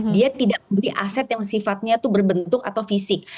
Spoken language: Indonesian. dia tidak beli aset yang sifatnya itu berbentuk atau fisik